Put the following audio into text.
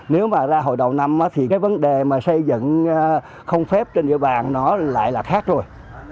nếu mà ra hồi đầu năm thì cái vấn đề mà xây dựng không phép trên địa bàn nó lại là khác rồi